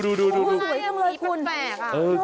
สีของพูหลายกันล่ะ